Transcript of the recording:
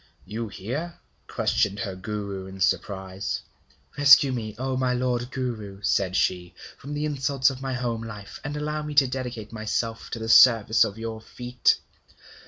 'You here?' questioned her Guru in surprise. 'Rescue me, O my lord Guru,' said she, 'from the insults of my home life, and allow me to dedicate myself to the service of your feet.'